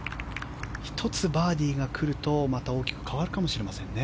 １つバーディーがくるとまた大きく変わるかもしれませんね。